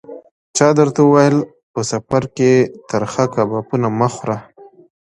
چا درته ویل: په سفر کې ترخه کبابونه مه خوره.